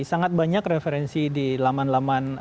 sangat banyak referensi di laman laman